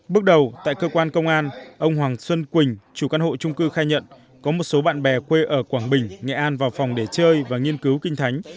bước đầu tại cơ quan công an ông hoàng xuân quỳnh chủ căn hộ trung cư khai nhận có một số bạn bè quê ở quảng bình nghệ an vào phòng để chơi và nghiên cứu kinh thánh